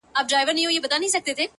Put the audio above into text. ستا سايه چي د کور مخ ته و ولاړه;